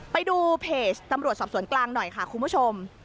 ไปดูเพจตำรวจสอบสวนกลางหน่อยค่ะคุณผู้ชม